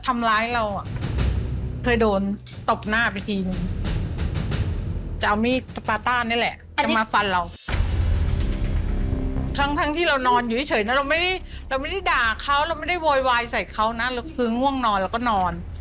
ไม่ได้โวยวายใส่เขานะคือห่วงนอนแล้วก็นอน